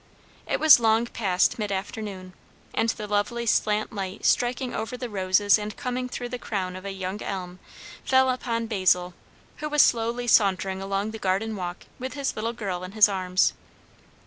It was long past mid afternoon, and the lovely slant light striking over the roses and coming through the crown of a young elm, fell upon Basil, who was slowly sauntering along the garden walk with his little girl in his arms.